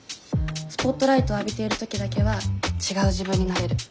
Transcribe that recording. スポットライトを浴びている時だけは違う自分になれる。